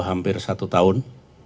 hampir satu tahun